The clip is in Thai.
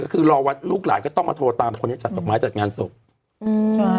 ก็คือรอวันลูกหลานก็ต้องมาโทรตามคนนี้จัดดอกไม้จัดงานศพอืม